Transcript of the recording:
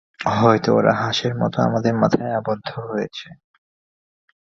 হয়তো ওরা হাসের মতো আমাদের মায়ায় আবদ্ধ হয়েছে।